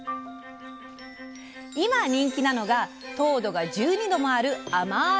今人気なのが糖度が１２度もあるあまい